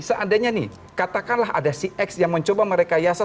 seandainya nih katakanlah ada si x yang mencoba merekayasa